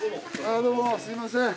どうもすいません。